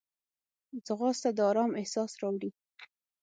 ځغاسته د آرام احساس راوړي